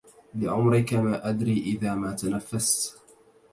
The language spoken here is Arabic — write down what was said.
لعمرك ما أدري إذا ما تنفست